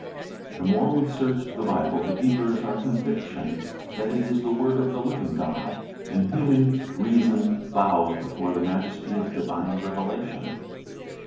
The more we search the Bible, the deeper is our conviction that it is the word of the living God, and human reason bows before the majesty of divine revelation.